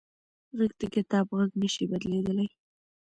غږ د کتاب غږ نه شي بدلېدلی